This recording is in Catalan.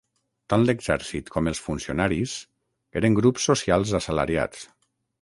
Tant l'exèrcit com els funcionaris eren grups socials assalariats.